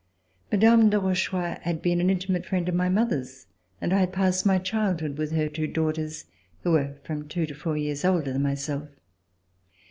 Mme. de Rochechouart had been an intimate friend of my mother's, and I had passed my childhood with her two daughters, who were from two to four years older than myself.